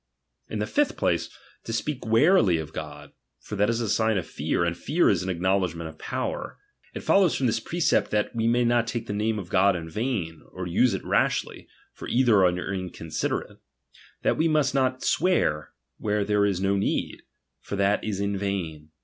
In the fifth place, to speak warily of God ; for ■that is a sign oi fear, ?mAfear is an acknowledg ment oi power. It follows from this precept, that t^e may not take the name of God in vain, or use ■it rashly ; for either are inconsiderate. That we ^nust not swear, where there is no need ; for that is in vain.